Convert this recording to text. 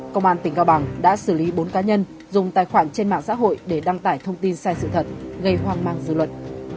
công an tỉnh cao bằng đã xử lý bốn cá nhân dùng tài khoản trên mạng xã hội để đăng tải thông tin sai sự thật gây hoang mang dư luận